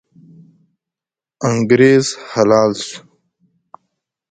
انګریز حلال سو.